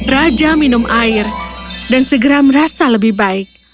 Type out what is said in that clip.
raja minum air dan segera merasa lebih baik